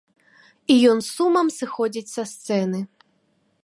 І ён з сумам сыходзіць са сцэны.